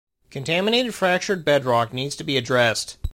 Contaminated fractured bedrock needs to be addressed.